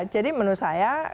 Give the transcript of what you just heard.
jadi menurut saya